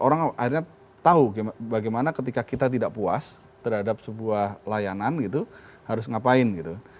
orang akhirnya tahu bagaimana ketika kita tidak puas terhadap sebuah layanan gitu harus ngapain gitu